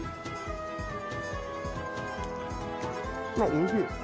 あ、おいしい。